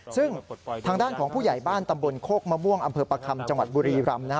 ซึ่งทางด้านของผู้ใหญ่บ้านตำบลโคกมะม่วงอำเภอประคำจังหวัดบุรีรำ